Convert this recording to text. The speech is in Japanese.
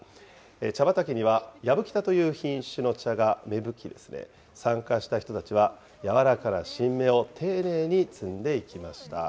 茶畑には、やぶきたという品種の茶が芽吹き、参加した人たちは柔らかな新芽を丁寧に摘んでいきました。